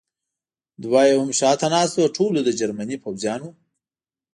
دوه یې هم شاته ناست و، ټولو د جرمني پوځیانو.